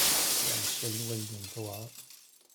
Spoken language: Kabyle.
Ddaɛwessu n lwaldin tewɛeṛ.